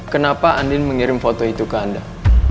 kenapa andin mengirim foto itu ke anda